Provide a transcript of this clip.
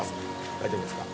大丈夫ですか？